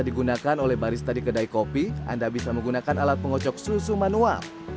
digunakan oleh barista di kedai kopi anda bisa menggunakan alat pengocok susu manual